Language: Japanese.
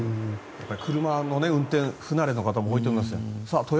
車の運転不慣れな方が多いと思います。